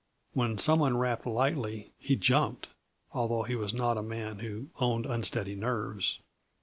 When some one rapped lightly he jumped, although he was not a man who owned unsteady nerves.